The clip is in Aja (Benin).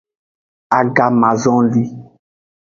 Agamazonli.